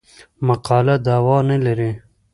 مقاله دعوا نه لري.